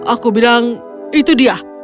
aku bilang itu dia